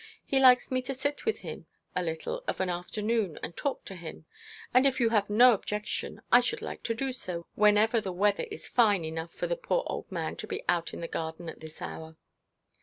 He likes me to sit with him a little of an afternoon and to talk to him; and if you have no objection I should like to do so, whenever the weather is fine enough for the poor old man to be out in the garden at this hour.'